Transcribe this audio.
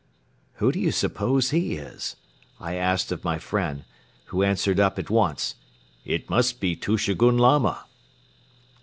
"Who do you suppose he is?" I asked of my friend, who answered up at once: "It must be Tushegoun Lama.